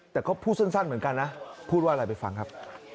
แต่ก็พูดสั้นเหมือนกันนะพูดว่าอะไรไปฟังครับ